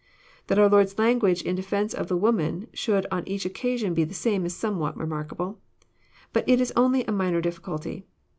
That our Lord's language in defence of the woman should on each occasion be the same is somewhat remarkable. But it is only a minor difficulty.